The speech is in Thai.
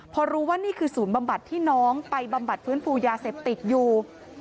พอรู้ว่านี่คือศูนย์บำบัดที่น้องไปบำบัดฟื้นฟูยาเสพติดอยู่